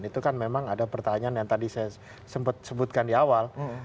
itu kan memang ada pertanyaan yang tadi saya sempat sebutkan di awal